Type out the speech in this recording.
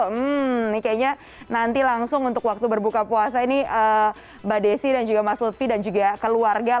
hmm ini kayaknya nanti langsung untuk waktu berbuka puasa ini mbak desi dan juga mas lutfi dan juga keluarga